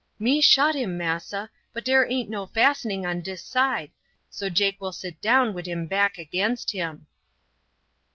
"Me shut him, massa, but dere aint no fastening on dis side, so Jake will sit down wid him back against him."